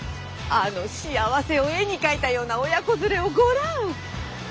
あの幸せを絵に描いたような親子連れをごらん。